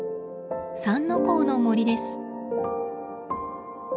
三之公の森です。